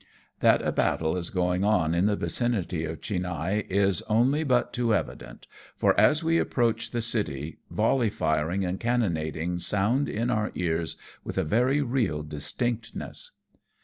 That a battle is going on in the vicinity of Chinhae is only but too evident, for as we approach the city volley firing and cannonading sound in our ears with a very real distinctness.